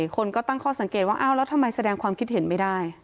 คนก็ตั้งข้อสังเกตว่าอ้าวแล้วทำไมแสดงความคิดเห็นไม่ได้